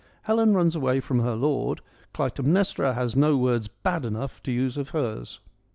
Helen runs away from her lord ; Clytemnestra has no words bad enough to use of hers.